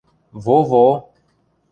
– Во-во!